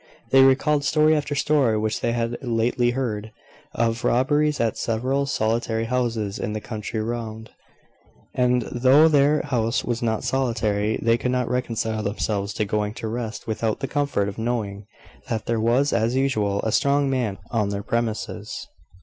They recalled story after story, which they had lately heard, of robberies at several solitary houses in the country round; and, though their house was not solitary, they could not reconcile themselves to going to rest without the comfort of knowing that there was, as usual, a strong man on their premises.